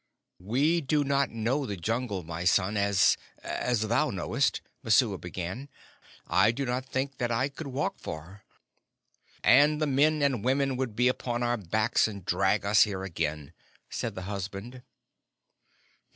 "We do not know the Jungle, my son, as as thou knowest," Messua began. "I do not think that I could walk far." "And the men and women would be upon our backs and drag us here again," said the husband.